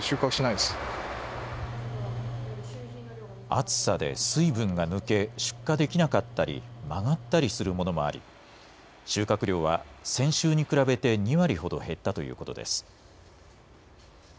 暑さで水分が抜け、出荷できなかったり、曲がったりするものもあり、収穫量は先週に比べて２割ほど減ったということです。